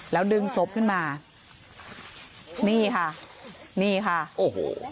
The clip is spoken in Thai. แล้วดึงศพขึ้นมานี่ค่ะนี่ค่ะโอ้โห